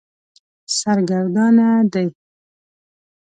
سرګردانه دی.